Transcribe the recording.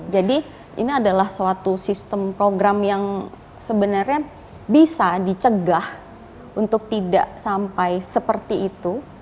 jadi ini adalah suatu sistem program yang sebenarnya bisa dicegah untuk tidak sampai seperti itu